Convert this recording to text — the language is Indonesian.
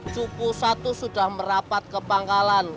cuku satu sudah merapat ke pangkalan